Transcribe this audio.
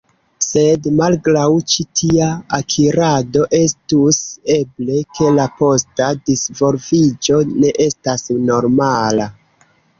Sed, malgraŭ ĉi tia akirado, estus eble, ke la posta disvolviĝo ne estas normala.